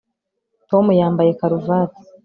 tom yambaye karuvati